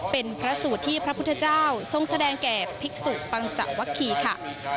เป็นพระสูตรที่พระพุทธเจ้าทรงแสดงแก่ภิกษุปังจะวักคีค่ะ